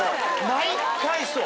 毎回そう。